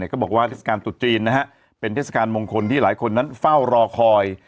ก็บอกว่าเทศกาลตรุษจีนเป็นเทศกาลมงคลที่หลายคนนั้นเฝ้ารอคอย